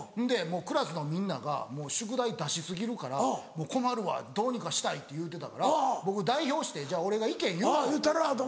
クラスのみんなが「宿題出し過ぎるから困るわどうにかしたい」って言うてたから僕代表して「俺が意見言う」と。